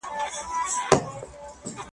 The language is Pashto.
زما اصلي ګناه به دا وي چي زه خر یم `